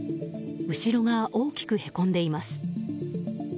後ろが大きくへこんでいます。